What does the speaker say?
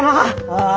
ああ。